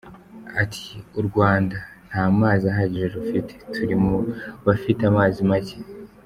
Ati “U Rwanda nta mazi ahagije rufite, turi mu bafite amazi make.